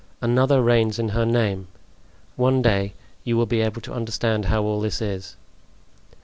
Another reigns in her name. One day you will be able to understand how all this is."